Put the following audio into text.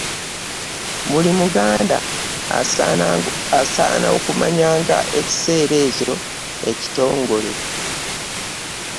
Buli Muganda asaana okumanyanga ekiseera ekyo ekitongole.